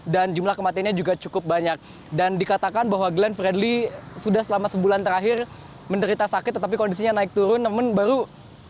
kami mendapatkan konfirmasi dari pihak keluarga sejak kemarin bahwa glenn fredly meninggal dunia di rumah sakit di kawasan jakarta selatan akibat menderita penyakit mengalami penyakit mengalami penyakit